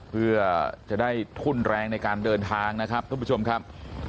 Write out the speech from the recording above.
เพื่อจะได้ทุ่นแรงในการเดินทางนะครับทุกผู้ชมครับ